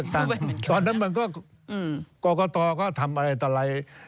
ตอนนั้นมันก็กรกตก็ทำอะไรต่อไร